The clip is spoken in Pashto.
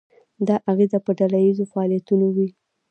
دا اغیزه په ډله ییزو فعالیتونو وي.